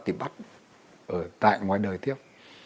thì bắt ở tại ngoài đời tiếp